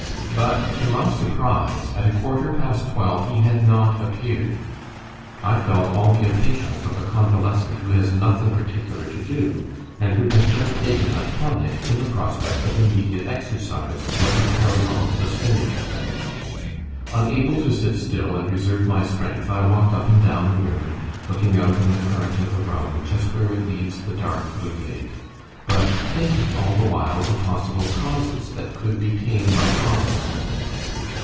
But, to my surprise, at a quarter past twelve he had not appeared. I felt all the impatience of a convalescent who has nothing particular to do, and who has just taken a tonic in the prospect of immediate exercise that would carry off the stimulus. Unable to sit still and reserve my strength, I walked up and down the room, looking out on the current of the Rhone, just where it leaves the dark blue lake; but thinking all the while of the possible causes that could detain my father.